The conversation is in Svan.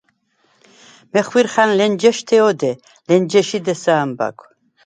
მეხვირხა̈ნ ლენჯე̄შთე ოდე, ლენჯე̄ში დე̄სა ა̈მბა̈გვ.